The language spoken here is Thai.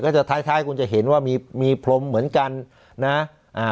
จะท้ายท้ายคุณจะเห็นว่ามีมีพรมเหมือนกันนะอ่า